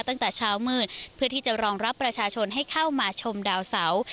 ตั้งแต่เช้ามืดเพื่อที่จะรองรับประชาชนให้เข้ามาชมดาวเสา